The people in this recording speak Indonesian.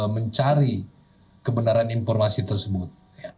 mencari kebenaran informasi tersebut